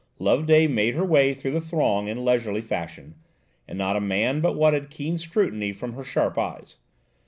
Loveday made her way through the throng in leisurely fashion, and not a man but what had keen scrutiny from her sharp eyes.